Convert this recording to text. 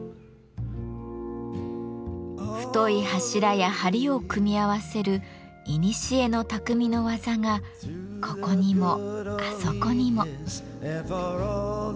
太い柱や梁を組み合わせるいにしえの匠の技がここにもあそこにも。